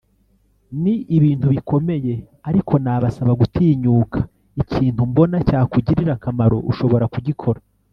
ni ibintu bikomeye ariko nabasaba gutinyuka ; ikintu mbona cyakugirira akamaro ushobora kugikora